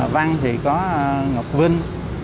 văn thì có ngọc vinh